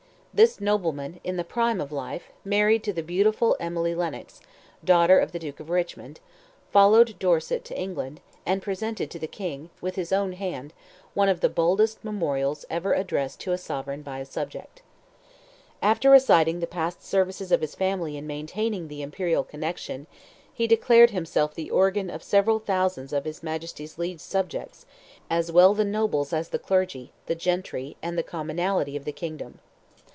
This nobleman, in the prime of life, married to the beautiful Emily Lennox, daughter of the Duke of Richmond, followed Dorset to England, and presented to the King, with his own hand, one of the boldest memorials ever addressed to a sovereign by a subject. After reciting the past services of his family in maintaining the imperial connection, he declared himself the organ of several thousands of his Majesty's liege subjects, "as well the nobles as the clergy, the gentry, and the commonalty of the kingdom."